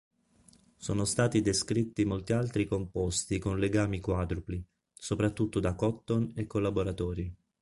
Sono stati descritti molti altri composti con legami quadrupli, soprattutto da Cotton e collaboratori.